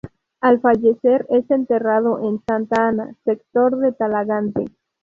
Al fallecer es enterrado en Santa Ana, sector de Talagante.